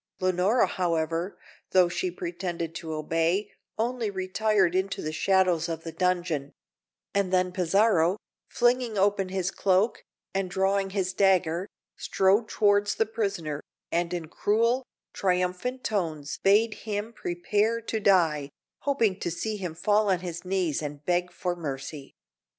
Leonora, however, though she pretended to obey, only retired into the shadows of the dungeon; and then Pizarro, flinging open his cloak, and drawing his dagger, strode towards the prisoner, and in cruel, triumphant tones bade him prepare to die, hoping to see him fall on his knees and beg for mercy.